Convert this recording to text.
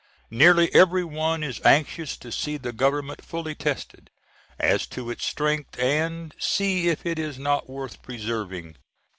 Nearly every one is anxious to see the Government fully tested as to its strength, and see if it is not worth preserving.